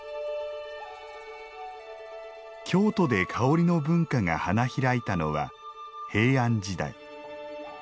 京都で香りの文化が花開いたのは平安時代。